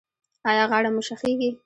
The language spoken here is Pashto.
ایا غاړه مو شخیږي؟